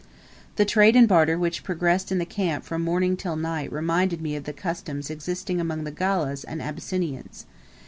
The trade and barter which progressed in the camp from morning till night reminded me of the customs existing among the Gallas and Abyssinians.